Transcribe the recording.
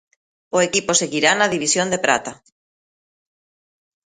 O equipo seguirá na división de prata.